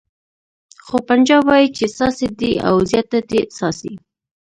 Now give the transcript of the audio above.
خو پنجاب وایي چې څاڅي دې او زیاته دې څاڅي.